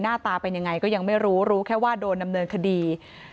หน้าตาเป็นยังไงก็ยังไม่รู้รู้แค่ว่าโดนดำเนินคดี